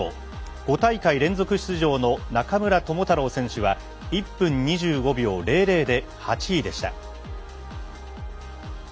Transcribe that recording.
５大会連続出場の中村智太郎選手は１分２５秒００で８位でした。